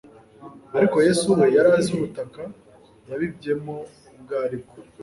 Ariko Yesu we yari azi ubutaka yabibyemo ubwo ari bwo.